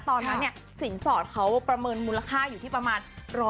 ตอนนั้นสินสอดเขาประเมินมูลค่าอยู่ที่ประมาณ๑๐๐